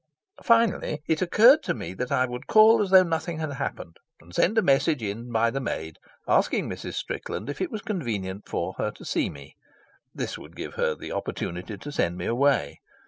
Finally it occurred to me that I would call as though nothing had happened, and send a message in by the maid asking Mrs. Strickland if it was convenient for her to see me. This would give her the opportunity to send me away.